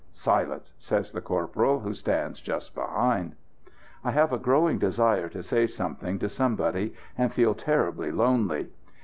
"Silence!" says the corporal who stands just behind. I have a growing desire to say something to somebody, and feel terribly lonely.